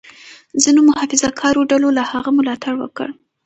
ځینو محافظه کارو ډلو له هغه ملاتړ وکړ.